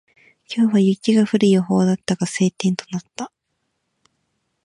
今日は雪が降る予報だったが、晴天となった。